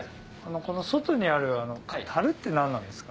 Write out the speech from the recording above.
この外にある樽って何なんですか？